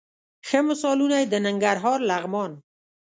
ښه مثالونه یې د ننګرهار، لغمان،